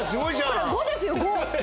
これ５ですよ５。